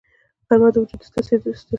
غرمه د وجود سستېدو وخت دی